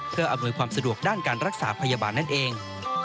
เพื่ออำนวยความสะดวกด้านการรักษาพยาบาลนั่นเอง